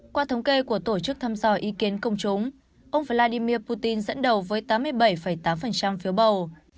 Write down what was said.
qua thống kê của tổ chức thăm dò ý kiến công chúng ông vladimir putin dẫn đầu với tám mươi bảy tám phiếu bầu